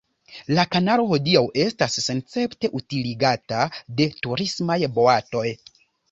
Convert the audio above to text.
La kanalo hodiaŭ estas senescepte utiligata de turismaj boatoj.